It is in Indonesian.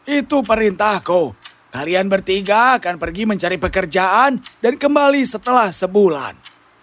itu perintahku kalian bertiga akan pergi mencari pekerjaan dan kembali setelah sebulan